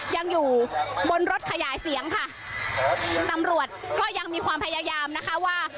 ยังอยู่บนรถขยายเสียงค่ะตำรวจก็ยังมีความพยายามนะคะว่า